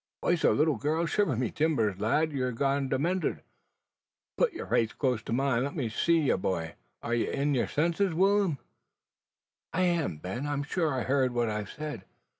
"Voice o' a little girl! Shiver my timbers, lad, you're goin' demented! Put yer face close to mine. Let me see ye, boy! Are ye in yer senses, Will'm?" "I am, Ben. I'm sure I heard what I've said.